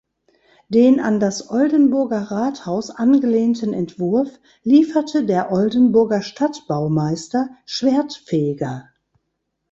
Den an das Oldenburger Rathaus angelehnten Entwurf lieferte der Oldenburger Stadtbaumeister Schwerdtfeger.